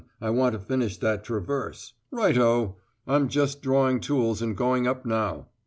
I want to finish that traverse. Righto. I'm just drawing tools and going up now."